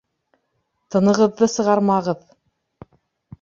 Тынығыҙҙы сығармағыҙ!..